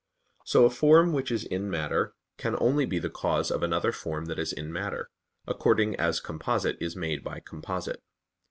So a form which is in matter can only be the cause of another form that is in matter, according as composite is made by composite.